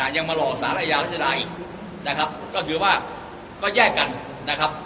ยังมารอสารอาญารัชดาอีกนะครับก็คือว่าก็แยกกันนะครับ